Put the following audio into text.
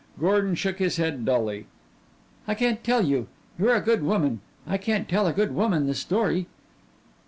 Gordon shook his head dully. "I can't tell you. You're a good woman. I can't tell a good woman the story."